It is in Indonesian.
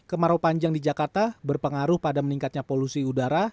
kemarau panjang di jakarta berpengaruh pada meningkatnya polusi udara